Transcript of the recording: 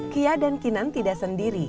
kia dan kinan tidak sendiri